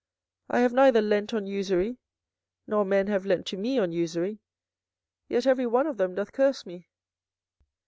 I have neither lent on usury, nor men have lent to me on usury; yet every one of them doth curse me.